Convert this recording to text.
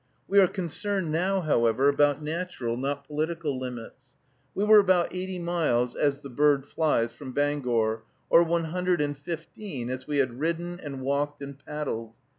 We are concerned now, however, about natural, not political limits. We were about eighty miles, as the bird flies, from Bangor, or one hundred and fifteen, as we had ridden, and walked, and paddled.